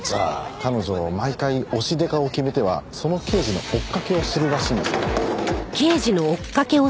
彼女毎回推しデカを決めてはその刑事の追っかけをするらしいんですよ。